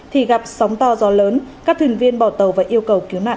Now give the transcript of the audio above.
thì gặp sóng to gió lớn các thuyền viên bỏ tàu và yêu cầu cứu nạn khẩn cấp